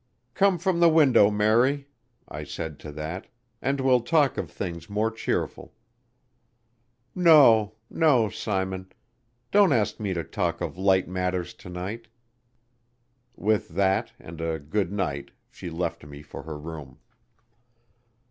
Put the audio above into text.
"Come from the window, Mary," I said to that, "and we'll talk of things more cheerful." "No, no, Simon don't ask me to talk of light matters to night." With that and a "Good night" she left me for her room.